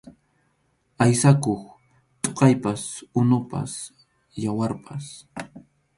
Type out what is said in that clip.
Aysakuq thuqaypas, unupas, yawarpas.